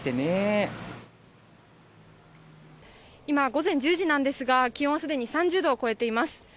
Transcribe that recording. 午前１０時なんですが気温はすでに３０度超えています。